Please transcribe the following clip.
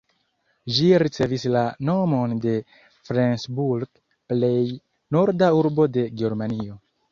Ĝi ricevis la nomon de Flensburg, plej norda urbo de Germanio.